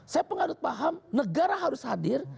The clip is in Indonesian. saya pengadut paham negara harus hadir